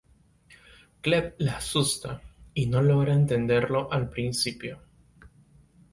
Clegg la asusta, y no logra entenderlo al principio.